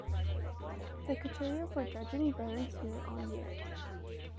The criteria for judging varies year-on-year.